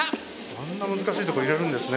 あんな難しいとこ入れるんですね。